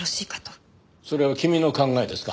それは君の考えですか？